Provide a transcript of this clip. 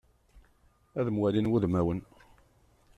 Ad mwalin wudmawen.